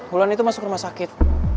bulan itu masuk rumah sakit